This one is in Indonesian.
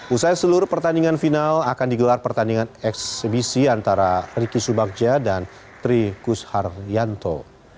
usai seluruh pertandingan final akan digelar pertandingan ekshibisi antara ricky subakja dan trikus haryanto